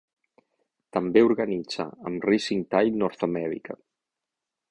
També organitza amb Rising Tide North America.